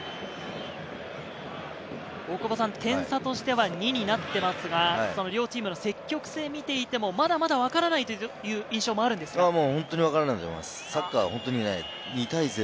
点差としては２になっていますが、両チームの積極性を見ていても、まだまだわからないという印象もあるんですか？